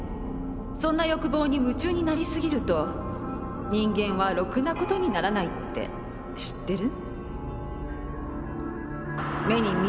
そんな欲望に夢中になりすぎると人間はろくなことにならないって知ってる？